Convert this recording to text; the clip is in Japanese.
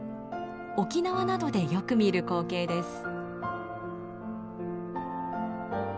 沖縄などでよく見る光景です。